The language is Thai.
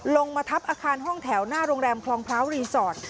ลงมาทับอาคารห้องแถวหน้าโรงแรมคลองพร้าวรีสอร์ท